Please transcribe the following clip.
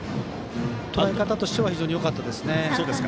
考え方としては非常によかったですね。